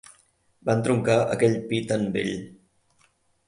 Van troncar aquell pi tan vell.